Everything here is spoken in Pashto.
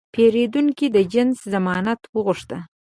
پیرودونکی د جنس ضمانت وغوښته.